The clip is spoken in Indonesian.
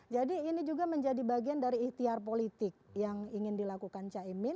jadi ini juga menjadi bagian dari ikhtiar politik yang ingin dilakukan cah imin